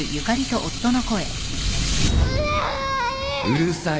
・・うるさい